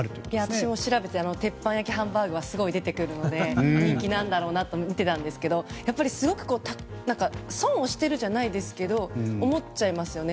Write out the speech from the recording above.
私も調べてあの鉄板焼きハンバーグはすごい出てくるので人気なんだと思って見てたんですが損をしているじゃないですが思っちゃいますよね。